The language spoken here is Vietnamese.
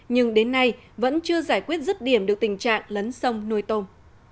nhưng đến nay vẫn chưa giải quyết rứt điểm được tình trạng lấn sông nuôi tôm